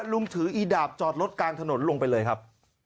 ลุงถืออีดาบจอดรถกลางถนนลงไปเลยครับ